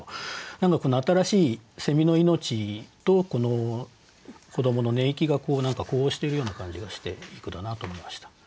何かこの新しいの命と子どもの寝息が呼応してるような感じがしていい句だなと思いました。